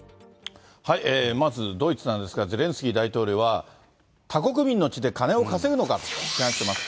まずドイツなんですが、ゼレンスキー大統領は、他国民の地で金を稼ぐのかと批判しています。